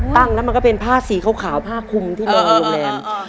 ตั้งแล้วมันก็เป็นผ้าสีขาวผ้าคุมที่บริเวณโรงแรม